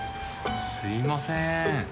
すいません。